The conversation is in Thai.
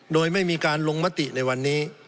โดยไม่มีการลงมติในวันนี้